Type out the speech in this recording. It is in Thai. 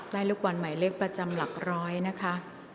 ลูกบอลหมายเลขประจำหลักร้อยนะคะ